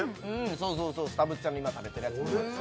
そうそうそうたぶっちゃんが今食べてるやつもそうですね